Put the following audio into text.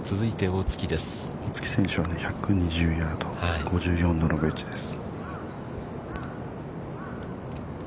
◆大槻選手は１２０ヤード、５４度のウエッジです。